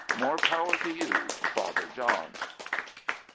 More power to you, Father John!